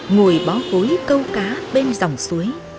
ngồi bó gối câu cá bên dòng suối